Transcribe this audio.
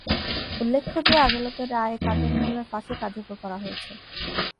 উল্লেখ্য যে, আদালতের রায়ে কাদের মোল্লার ফাঁসি কার্যকর করা হয়েছে।